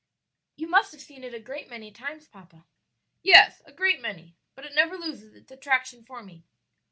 "You must have seen it a great many times, papa." "Yes, a great many; but it never loses its attraction for me."